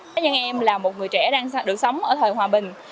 tất nhiên em là một người trẻ đang được sống ở thời hòa bình